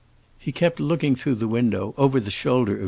He kept looking through the window, over the shoulder of M.